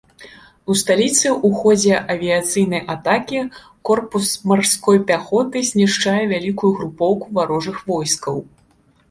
У сталіцы ў ходзе авіяцыйнай атакі корпус марской пяхоты знішчае вялікую групоўку варожых войскаў.